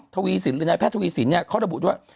ทวีศิลป์หรือแพทย์ทวีศิลป์เนี่ยเขาระบุญว่า